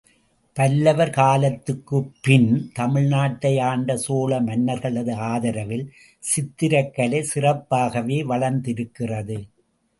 பல்லவர் காலத்துக்குப்பின் தமிழ்நாட்டை ஆண்ட சோழ மன்னர்களது ஆதரவில் சித்திரக் கலை சிறப்பாகவே வளர்ந்திருக்கிறது.